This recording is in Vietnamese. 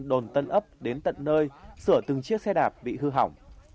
đồn tân ấp đến tận nơi sửa từng chiếc xe đạp bị hư hỏng